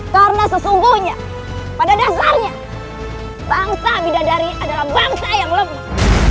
karena sesungguhnya pada dasarnya bangsa abidadari adalah bangsa yang lempar